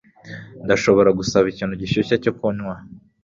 Ndashobora gusaba ikintu gishyushye cyo kunywa?